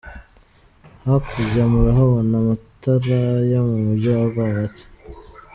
Hakurya murahabona amatara yo mu mujyi rwagati.